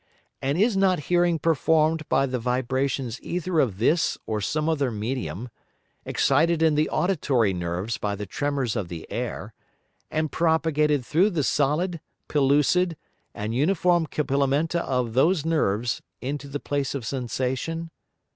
And is not Hearing perform'd by the Vibrations either of this or some other Medium, excited in the auditory Nerves by the Tremors of the Air, and propagated through the solid, pellucid and uniform Capillamenta of those Nerves into the place of Sensation?